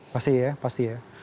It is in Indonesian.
pasti ya pasti ya